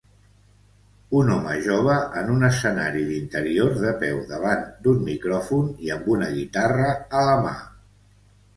Un home jove en un escenari d'interior de peu davant d'un micròfon i amb una guitarra a la mà.